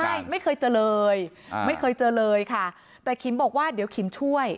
ใช่ไม่เคยเจอเลยไม่เคยเจอเลยค่ะแต่ขิมบอกว่าเดี๋ยวขิมช่วย